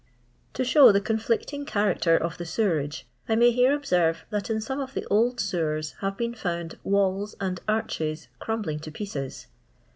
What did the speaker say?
To show the conflicting character of the sewer age, I may here observe that in some of the old sewers have been found walls and arches crumbling to pieces.